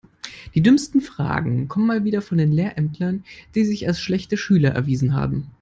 Die dümmsten Fragen kommen mal wieder von den Lehrämtlern, die sich als schlechte Schüler erwiesen haben.